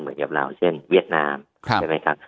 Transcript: เหมือนกับเราเช่นเวียดนามใช่มั้ยครับ